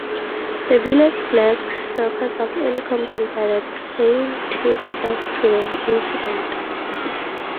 The Village lacks records of any complaint by the Plaintiff as to the incident.